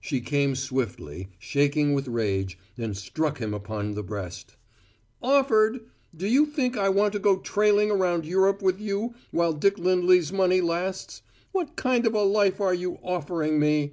She came swiftly, shaking with rage, and struck him upon the breast. "`Offered'! Do you think I want to go trailing around Europe with you while Dick Lindley's money lasts? What kind of a life are you `offering' me?